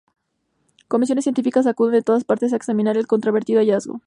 Comisiones científicas acuden de todas partes a examinar el controvertido hallazgo.